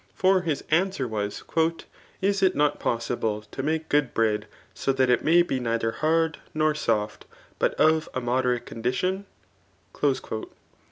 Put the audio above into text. For his answer was, *^ Is it not possible to make good bread, so that it may be neither hard nor fioft, but of a moderate condition